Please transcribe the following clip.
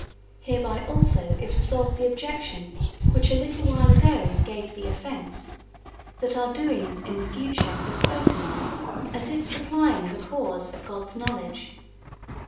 Hereby also is resolved the objection which a little while ago gave thee offence that our doings in the future were spoken of as if supplying the cause of God's knowledge.